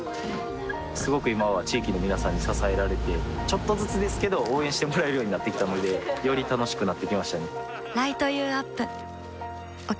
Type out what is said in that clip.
すごく今は地域の皆さんに支えられてちょっとずつですけど応援してもらえるようになってきたのでより楽しくなってきましたね